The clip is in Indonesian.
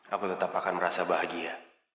aku tetap akan merasa bahagia